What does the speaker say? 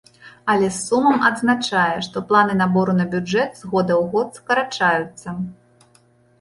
Але з сумам адзначае, што планы набору на бюджэт з года ў год скарачаюцца.